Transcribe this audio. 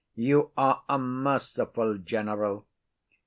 You are a merciful general.